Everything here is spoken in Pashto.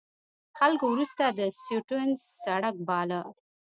خلکو وروسته د سټیونز سړک باله.